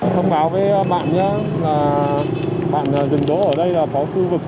thông báo với bạn nhé bạn rừng đỗ ở đây là có sưu vực